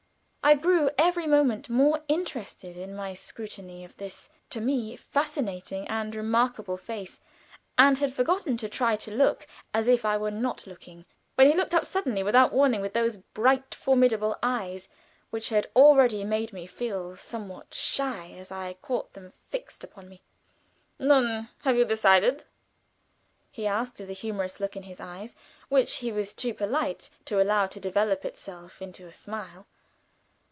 I grew every moment more interested in my scrutiny of this, to me, fascinating and remarkable face, and had forgotten to try to look as if I were not looking, when he looked up suddenly, without warning, with those bright, formidable eyes, which had already made me feel somewhat shy as I caught them fixed upon me. "Nun, have you decided?" he asked, with a humorous look in his eyes, which he was too polite to allow to develop itself into a smile.